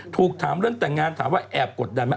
ถูกถามเรื่องแต่งงานถามว่าแอบกดดันไหม